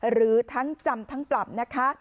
หรือทั้งจำทั้งปรับนะคะ